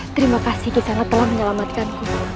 terima kasih kisana telah menyelamatkanku